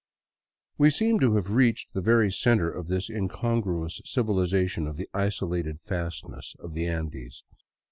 We seemed to have reached the very center of this incongruous civilization of the isolated fastnesses of the Andes.